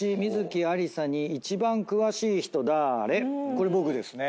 これ僕ですね。